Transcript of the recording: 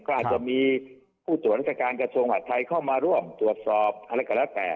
ก็อาจจะมีผู้ตรวจราชการกระทรวงหัดไทยเข้ามาร่วมตรวจสอบอะไรก็แล้วแต่